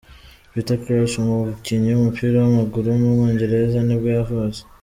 Peter Crouch, umukinnyi w’umupira w’amaguru w’umwongereza nibwo yavutse.